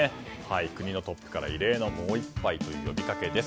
国のトップから異例のもう１杯という呼びかけです。